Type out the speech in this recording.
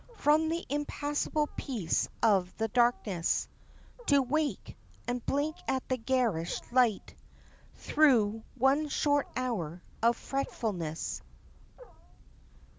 From the impassible peace of the darkness To wake, and blink at the garish light Through one short hour of fretfulness.